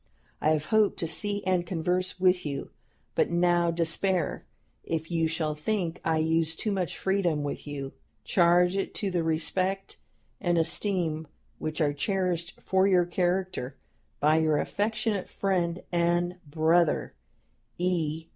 I have hoped to see and converse with you, but now despair. If you shall think I use too much freedom with you, charge it to the respect and esteem which are cherished for your character by your affectionate friend and brother, "E.